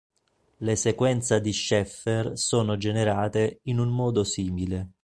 Le sequenza di Sheffer sono generate in un modo simile.